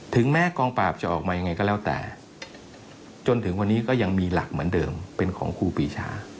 แม้กองปราบจะออกมายังไงก็แล้วแต่จนถึงวันนี้ก็ยังมีหลักเหมือนเดิมเป็นของครูปีชา